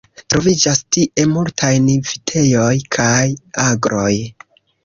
Troviĝas tie multajn vitejoj kaj agroj.